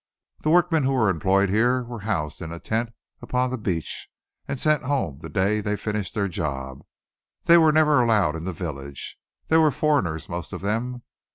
The workmen who were employed here were housed in a tent upon the beach and sent home the day they finished their job. They were never allowed in the village. They were foreigners, most of them.